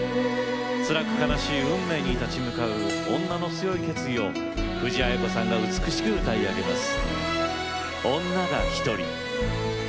辛く悲しい運命に立ち向かう女の強い決意を、藤あや子さんが美しく歌い上げます。